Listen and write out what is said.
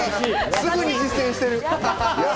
すでに実践してる。